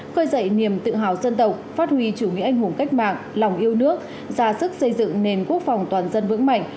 khơi dậy niềm tự hào dân tộc phát huy chủ nghĩa anh hùng cách mạng lòng yêu nước ra sức xây dựng nền quốc phòng toàn dân vững mạnh